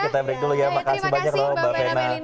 terima kasih banyak lho mbak fena